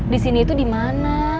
di sini itu di mana